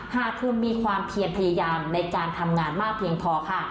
หากคุณมีความเพียรพยายามในการทำงานมากเพียงพอค่ะ